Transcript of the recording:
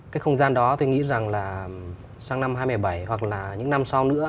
cái không gian đó tôi nghĩ rằng là sang năm hai nghìn một mươi bảy hoặc là những năm sau nữa